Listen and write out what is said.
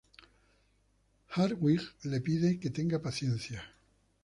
Hartwig, le pide que tenga paciencia.